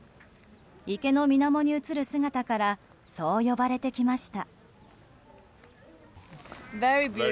池の水面に映る姿からそう呼ばれてきました。